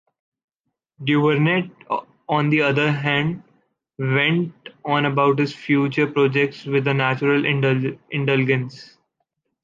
Duvernet, on the other hand, went on about his future projects with a natural indulgence;